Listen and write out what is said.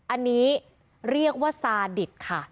อันนี้เรียกว่าซาดิตค่ะ